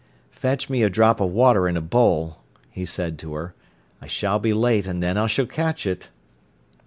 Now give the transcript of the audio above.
"Fetch me a drop of water in a bowl," he said to her. "I shall be late, and then I s'll catch it."